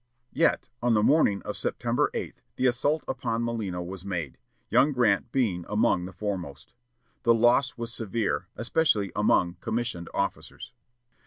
Yet, on the morning of September 8, the assault upon Molino was made, young Grant being among the foremost. The loss was severe, especially among commissioned officers.